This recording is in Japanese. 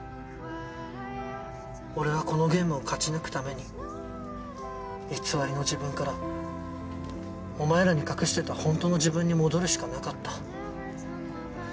俺はこのゲームを勝ち抜くために偽りの自分からお前らに隠してた本当の自分に戻るしかなかった。